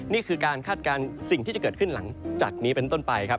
นี่คือการคาดการณ์สิ่งที่จะเกิดขึ้นหลังจากนี้เป็นต้นไปครับ